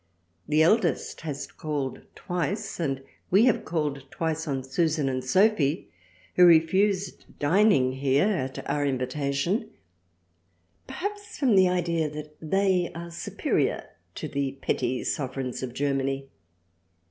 The eldest has called twice and we have called twice on Susan THRALIANA 49 and Sophy who refused dining here at our invitation ; perhaps from an Idea that they are superior to the petty sovereigns of Germany."